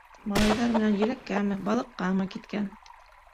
Малайҙар менән еләккәме, балыҡҡамы киткән.